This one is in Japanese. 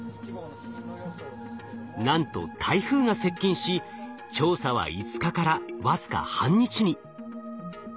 なんと台風が接近し調査は５日から僅か半日に。